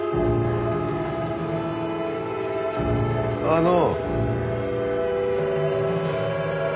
あの。